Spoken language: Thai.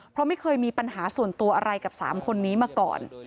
เพราะไม่เคยมีปัญหาส่วนตัวอะไรกับ๓คนนี้มาก่อน